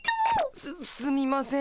すすみません。